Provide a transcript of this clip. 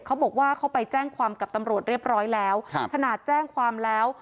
เขาบอกว่าเขาไปแจ้งความกับตำรวจเรียบร้อยแล้วครับขนาดแจ้งความแล้ว